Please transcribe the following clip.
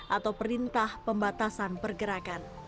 atau perintah pembatasan pergerakan